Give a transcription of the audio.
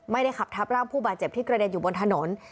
ไม่ได้ขับทับร่างผู้บาดเจ็บที่กระเด็นอยู่บนถนน